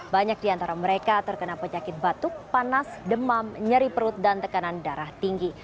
banyak di antara mereka terkena penyakit batuk panas demam nyeri perut dan tekanan darah tinggi